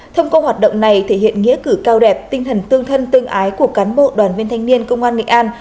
thông công hoạt động này thể hiện nghĩa cử cao đẹp tinh thần tương thân tương ái của cán bộ đoàn viên thanh niên công an nghệ an